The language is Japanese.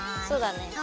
そうだね。